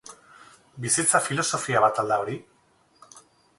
Bizitza filosofia bat al da hori?